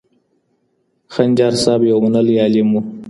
خنجر صاحب یو منلی عالم و.